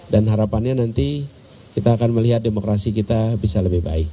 dan harapannya nanti kita akan melihat demokrasi kita bisa lebih baik